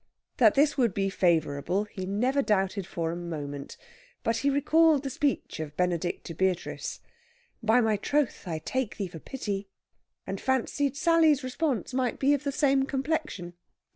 That this would be favourable he never doubted for a moment; but he recalled the speech of Benedict to Beatrice, "By my troth I take thee for pity," and fancied Sally's response might be of the same complexion.